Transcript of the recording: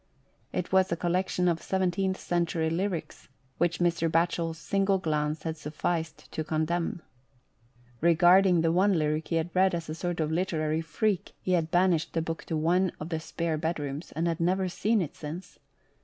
It was a collection of 17th century lyrics, which Mr. Batchel's single glance had suf&ced to condemn. Regarding the one lyric he had read as a sort of literary freak, he had banished the book to one of the spare bedrooms, and had never seen it since.